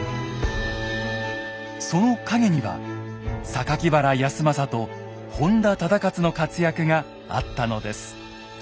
その陰には原康政と本多忠勝の活躍があったのです。